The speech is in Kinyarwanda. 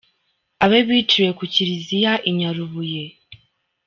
Abe biciwe ku Kiliziya i Nyarubuye.